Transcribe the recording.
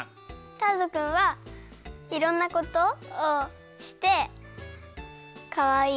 ターズくんはいろんなことをしてかわいい。